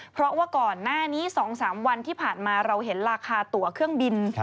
เพราะว่าก่อนหน้านี้๒๓วันที่ผ่านมาเราเห็นราคาตัวเครื่องบิน